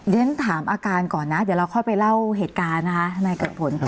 อย่างนั้นถามอาการก่อนนะเดี๋ยวเราค่อยไปเล่าเหตุการณ์นะคะในกระดูกผล